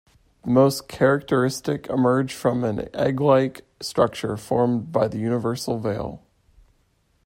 The most characteristic emerge from an egg-like structure formed by the universal veil.